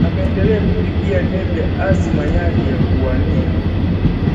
ameendelea kupigia debe azma yake ya kuwania